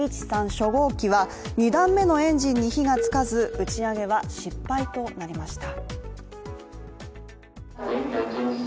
初号機は２段目のエンジンに火がつかず、打ち上げは失敗となりました。